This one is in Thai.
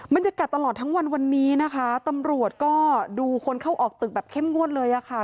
บรรยากาศตลอดทั้งวันวันนี้นะคะตำรวจก็ดูคนเข้าออกตึกแบบเข้มงวดเลยอะค่ะ